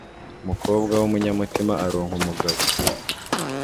umukobwa w'umunyamutima aronka umugabo